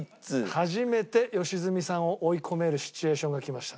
初めて良純さんを追い込めるシチュエーションがきました。